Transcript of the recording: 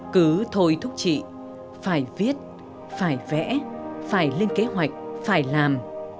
cứ thôi thúc chị phải viết phải vẽ phải lên kế hoạch phải làm